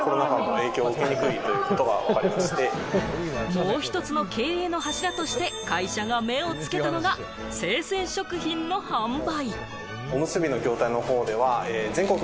もう１つの経営の柱として会社が目をつけたのが、生鮮食品の販売。